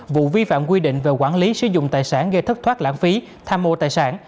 vụ vi phạm quy định về quản lý sử dụng tài sản gây thất thoát lãng phí tham mô tài sản